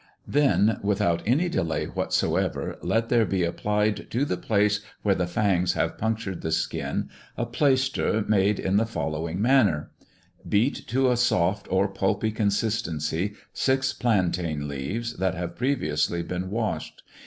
Then, without any Delay whatsoever, let there be appli*d to the place where the Fangs have punctur d the Skin a Plaister made in the following manner : Beat to a soh or pulpy consist ency six Plantain leaves that have previously been wash*d.